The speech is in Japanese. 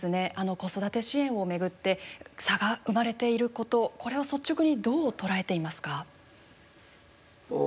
子育て支援を巡って差が生まれていることこれを率直にどう捉えていますか。